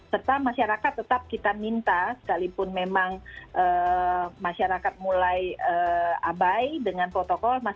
serta masyarakat tetap kita minta sekalipun memang masyarakat mulai abai dengan protokol